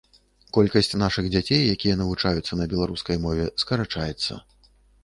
Колькасць нашых дзяцей, якія навучаюцца на беларускай мове, скарачаецца.